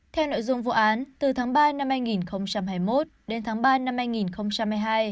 theo nội dung vụ án từ tháng ba năm hai nghìn hai mươi một đến tháng ba năm hai nghìn hai mươi hai